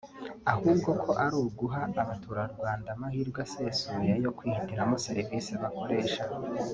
ahubwo ko ari uguha abaturarwanda amahirwe asesuye yo kwihitiramo serivisi bakoresha